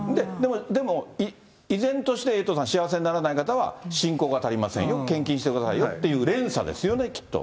でも、依然としてエイトさん、幸せにならない方は、信仰が足りませんよ、献金してくださいよってそうですね。